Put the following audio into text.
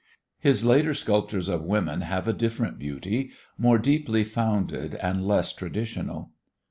His later sculptures of women have a different beauty, more deeply founded and less traditional.